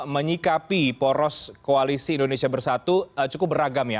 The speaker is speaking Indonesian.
menyikapi poros koalisi indonesia bersatu cukup beragam ya